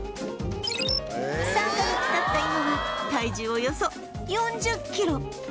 ３カ月経った今は体重およそ４０キロ